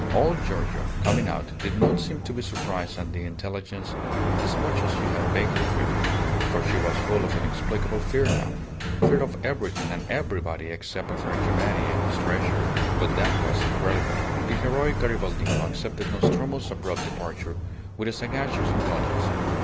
Old Giorgio, coming out, did not seem to be surprised at the intelligence as much as she had vaguely feared. For she was full of inexplicable fear now fear of everything and everybody except of her Giovanni and his treasure. But that was incredible. The heroic Garibaldino accepted Nostromo's abrupt departure with a sagacious indulgence.